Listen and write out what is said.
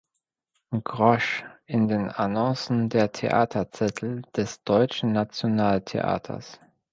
Grosch in den Annoncen der Theaterzettel des Deutschen Nationaltheaters.